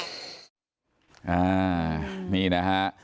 อ่ามีนะฮะ